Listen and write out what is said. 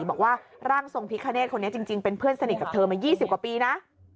บอกว่าร่างทรงพิคเนธคนนี้จริงเป็นเพื่อนสนิทกับเธอมา๒๐กว่าปีนะ